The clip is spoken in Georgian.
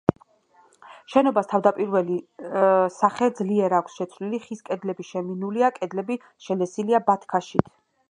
შენობას თავდაპირველი სახე ძლიერ აქვს შეცვლილი: ხის კედლები შემინულია, კედლები შელესილია ბათქაშით.